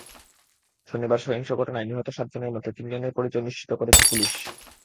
শনিবার সহিংস ঘটনায় নিহত সাতজনের মধ্যে তিনজনের পরিচয় নিশ্চিত করেছে পুলিশ।